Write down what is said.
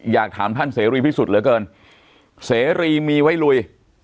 อยากถามท่านเสรีพิสุทธิ์เหลือเกินเสรีมีไว้ลุย